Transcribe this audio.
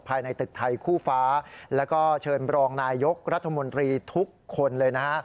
ภายในตึกไทยคู่ฟ้าแล้วก็เชิญบรองนายยกรัฐมนตรีทุกคนเลยนะฮะ